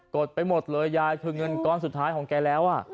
ดไปหมดเลยยายคือเงินก้อนสุดท้ายของแกแล้ว